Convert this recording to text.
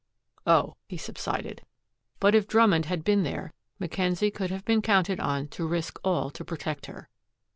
"Oh," he subsided. But if Drummond had been there, Mackenzie could have been counted on to risk all to protect her.